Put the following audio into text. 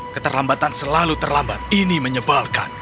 keterlambatan selalu terlambat ini menyebalkan